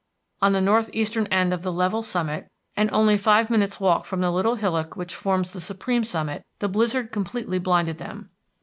On the northeastern end of the level summit, and only five minutes' walk from the little hillock which forms the supreme summit, the blizzard completely blinded them.